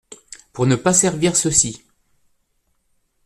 Pour ne pas servir ceux-ci.